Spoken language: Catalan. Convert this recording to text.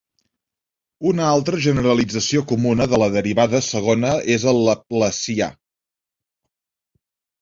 Una altra generalització comuna de la derivada segona és el laplacià.